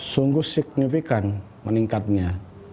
sungguh signifikan meningkatnya